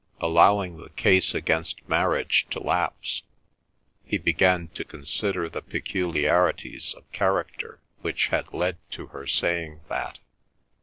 Allowing the case against marriage to lapse, he began to consider the peculiarities of character which had led to her saying that.